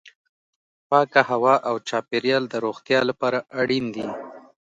پاکه هوا او چاپیریال د روغتیا لپاره اړین دي.